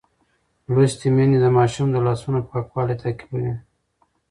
لوستې میندې د ماشوم د لاسونو پاکوالی تعقیبوي.